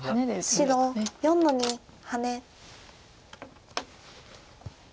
白４の二ハネ。